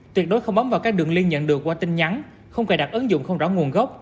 tuyệt đối không bấm vào các đường liên nhận được qua tin nhắn không cài đặt ứng dụng không rõ nguồn gốc